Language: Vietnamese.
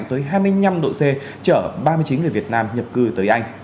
tới hai mươi năm độ c chở ba mươi chín người việt nam nhập cư tới anh